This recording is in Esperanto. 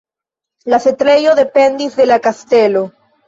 La setlejo dependis de la kastelo.